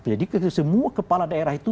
jadi semua kepala daerah itu